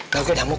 gak oke damuk